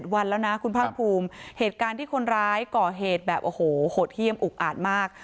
วันแล้วนะคุณภาคภูมิเหตุการณ์ที่คนร้ายก่อเหตุแบบโอ้โหโหดเยี่ยมอุกอาจมาก